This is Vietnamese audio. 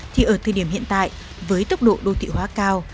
thì ở thời điểm hiện tại với tốc độ đô thị hóa cao